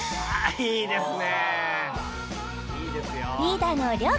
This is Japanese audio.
いいですね